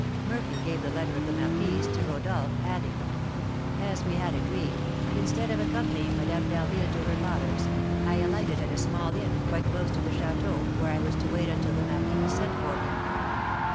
Murphy gave the letter of the marquise to Rodolph, adding: "As we had agreed, instead of accompanying Madame d'Harville to her father's, I alighted at a small inn quite close to the château, where I was to wait until the marquise sent for me."